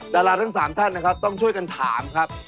ดาราทั้ง๓ท่านนะครับต้องช่วยกันถามครับ